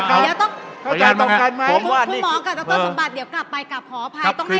เข้าจ่ายต่อกันไหม